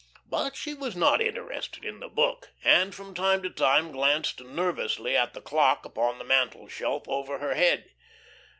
But she was not interested in the book, and from time to time glanced nervously at the clock upon the mantel shelf over her head.